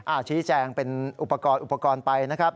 ชี้แจงเป็นอุปกรณ์อุปกรณ์ไปนะครับ